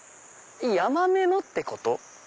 ヤマメのってこと？